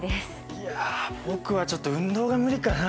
いや僕はちょっと運動が無理かな。